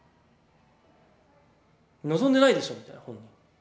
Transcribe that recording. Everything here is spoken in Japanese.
望んでないでしょみたいな本人。